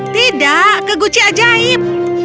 tidak ke guci ajaib